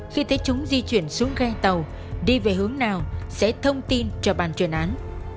khi thấy chúng di chuyển xuống ghe tàu đi về hướng nào sẽ thông tin cho bàn chuyên án